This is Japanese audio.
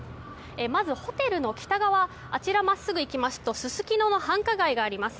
まず、ホテルの北側あちら真っすぐ行きますとすすきのの繁華街があります。